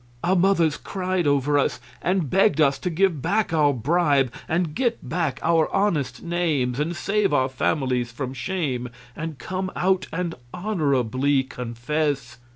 Our mothers cried over us and begged us to give back our bribe and get back our honest names and save our families from shame, and come out and honorably confess.